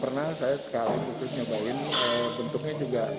pernah saya sekali putus nyobain bentuknya juga